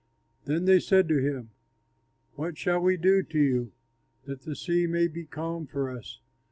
Then they said to him, "What shall we do to you, that the sea may be calm for us?"